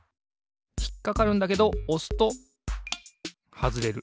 ひっかかるんだけどおすとはずれる。